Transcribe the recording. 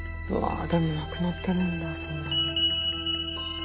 うわでも亡くなってるんだそんなに。